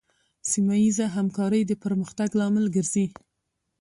سیمه ایزه همکارۍ د پرمختګ لامل ګرځي.